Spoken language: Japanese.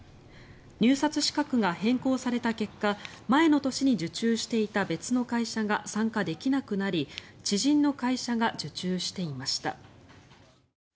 入札資格が変更された結果前の年に受注していた別の会社が参加できなくなり知人の会社が受注していました。